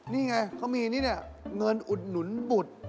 นี่ไงเขามีเงินอุดหนุนบุตร